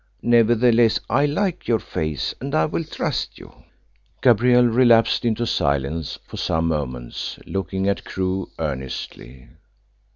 Nevertheless, I like your face, and I will trust you." Gabrielle relapsed into silence for some moments, looking at Crewe earnestly.